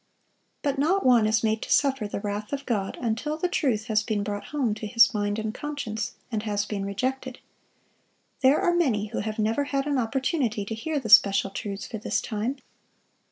(1046) But not one is made to suffer the wrath of God until the truth has been brought home to his mind and conscience, and has been rejected. There are many who have never had an opportunity to hear the special truths for this time.